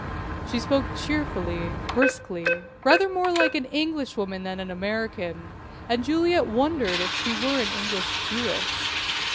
She spoke cheerfully, briskly, rather more like an Englishwoman than an American, and Juliet wondered if she were an English Jewess.